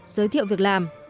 những việc làm